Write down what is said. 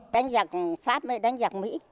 đánh giặc pháp đánh giặc mỹ